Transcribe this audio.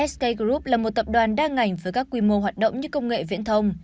sk group là một tập đoàn đa ngành với các quy mô hoạt động như công nghệ viễn thông